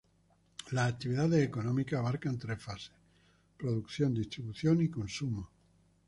Las actividades económicas abarcan tres fases: producción, distribución y consumo.